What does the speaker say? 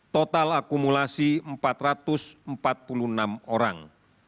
total akumulasi empat ratus empat puluh enam orang